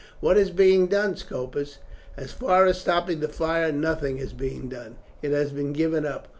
"What is being done, Scopus?" "As far as stopping the fire nothing is being done. It has been given up.